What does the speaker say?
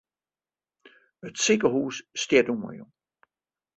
It sikehûs stiet oanjûn.